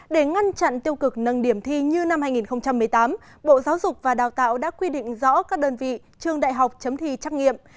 để ngăn chặn tiêu cực nâng điểm thi như năm hai nghìn một mươi tám bộ giáo dục và đào tạo đã quy định rõ các đơn vị trường đại học chấm thi trắc nghiệm